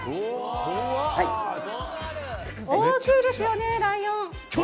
大きいですよね、ライオン。